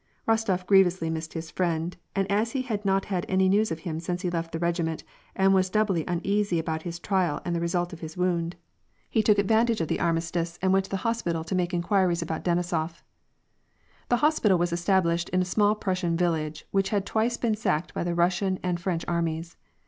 Rostof grievously missed his friend, and as he had not had any news of him since he left the regiment, and was doublv uneasy about his trial and the result of his wound, he took ad WAR AND PEACE. 1S6 rantage of the armistice and went to the hospital to make in quiries about Denisof. The hospital was established in a small Prussian village, which had twice been sacked by the Russian and French armies.